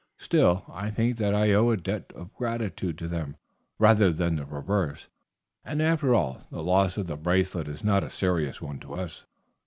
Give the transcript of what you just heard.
Still, I think that I owe a debt of gratitude to them rather than the reverse, and, after all, the loss of the bracelet is not a serious one to us."